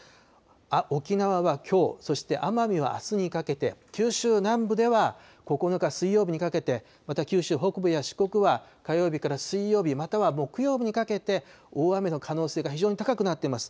沖縄はきょう、そして奄美はあすにかけて、九州南部では９日水曜日にかけて、また九州北部や四国は火曜日から水曜日、または木曜日にかけて、大雨の可能性が非常に高くなっています。